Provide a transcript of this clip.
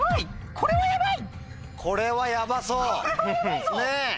これはやばいぞ。